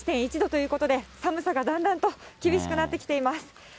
１．１度ということで、寒さがだんだんと厳しくなってきています。